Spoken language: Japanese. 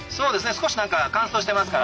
少し何か乾燥してますから。